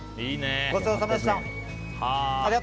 ごちそうさまでした。